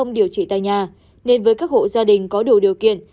điều trị tại nhà nên với các hộ gia đình có đủ điều kiện